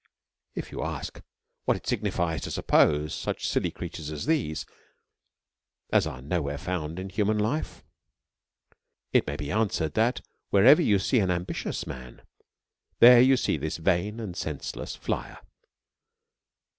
If you ask, what it signifies to suppose such silly creatures as these as are no where to be found in hu man life ? It may be answered, that wherever you see an ambi tious man, there you see this vain and senseless flyer.